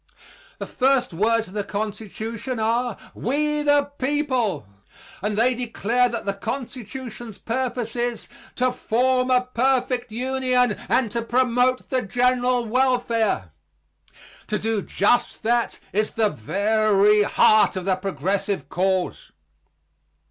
The first words of the Constitution are "We the people," and they declare that the Constitution's purpose is "to form a perfect Union and to promote the general welfare." To do just that is the very heart of the progressive cause.